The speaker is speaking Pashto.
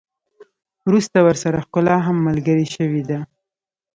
وروسته ورسره ښکلا هم ملګرې شوې ده.